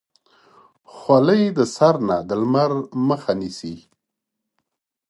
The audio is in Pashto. خولۍ د سر نه د لمر مخه نیسي.